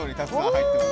入ってる？